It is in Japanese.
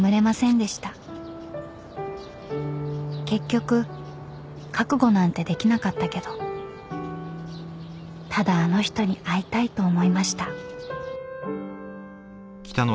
［結局覚悟なんてできなかったけどただあの人に会いたいと思いました］